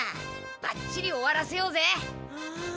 バッチリ終わらせようぜ！